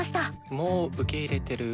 もう受け入れてる。